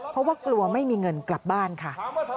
เพราะว่ากลัวไม่มีเงินกลับบ้านค่ะ